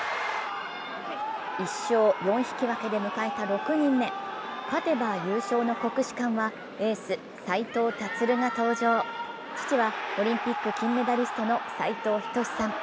１勝４引き分けで迎えた６人目、勝てば優勝の国士舘はエース・斉藤立が登場父はオリンピック金メダリストの斉藤仁さん。